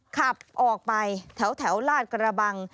ขับออกไปแถวลาดกระบัง